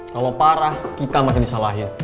kalau parah kita makin disalahin